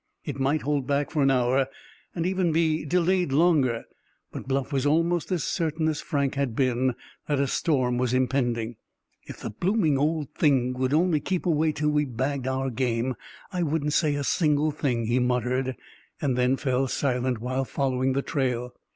It might hold back for an hour, and even be delayed longer; but Bluff was almost as certain as Frank had been that a storm was impending. "If the blooming old thing'd only keep away till we'd bagged our game, I wouldn't say a single thing," he muttered, and then fell silent while following the trail.